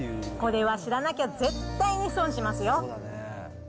これは知らなきゃ絶対に損しますよ。